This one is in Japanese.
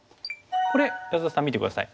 これ安田さん見て下さい。